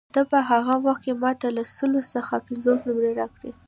ده په هغه وخت کې ما ته له سلو څخه پنځلس نمرې راکړې.